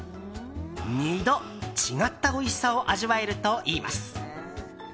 ２度違ったおいしさを味わえるといいます。